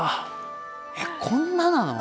えっこんななの？